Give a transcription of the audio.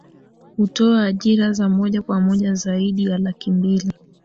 Hutoa ajira za moja kwa moja zaidi ya laki mbili